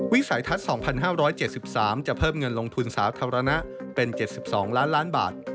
วิสัยทัศน์๒๕๗๓จะเพิ่มเงินลงทุนสาธารณะเป็น๗๒ล้านล้านบาท